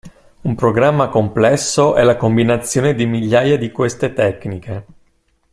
Un programma complesso è la combinazione di migliaia di queste tecniche.